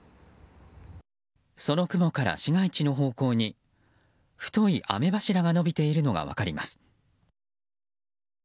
その雲から市街地の方向に太い雨柱が延びているのが分かります。